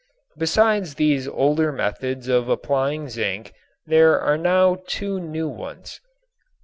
Besides these older methods of applying zinc there are now two new ones.